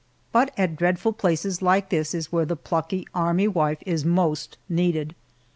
But at dreadful places like this is where the plucky army wife is most needed.